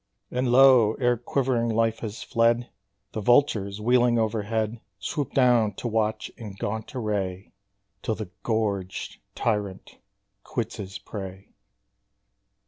And lo! ere quivering life has fled, The vultures, wheeling overhead, Swoop down, to watch, in gaunt array, Till the gorged tyrant quits his prey.